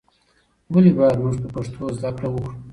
ولې باید موږ په پښتو زده کړه وکړو؟